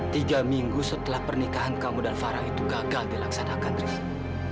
tiga minggu setelah pernikahan kamu dan farah itu gagal dilaksanakan rizik